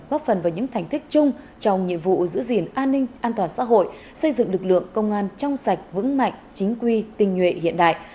góp phần vào những thành tích chung trong nhiệm vụ giữ gìn an ninh an toàn xã hội xây dựng lực lượng công an trong sạch vững mạnh chính quy tình nguyện hiện đại